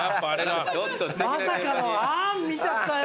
まさかの「あん」見ちゃったよ。